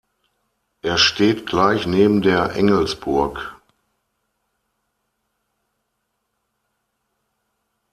Er steht gleich neben der Engelsburg.